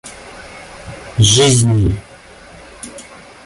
жизни